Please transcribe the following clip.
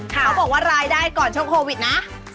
เขาบอกว่ารายได้ก่อนช่วงโควิดนะ